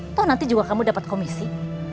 atau nanti juga kamu dapat komisi